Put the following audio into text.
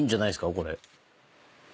これ。